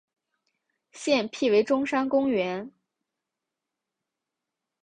现辟为中山公园。